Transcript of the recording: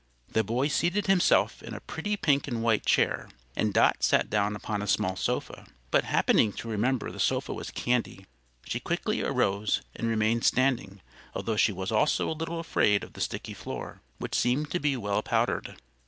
The boy seated himself in a pretty pink and white chair, and Dot sat down upon a small sofa; but happening to remember the sofa was candy, she quickly arose and remained standing, although she was also a little afraid of the sticky floor, which seemed to be well powdered.